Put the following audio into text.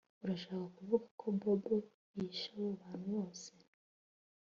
Urashaka kuvuga ko Bobo yishe abo bantu bose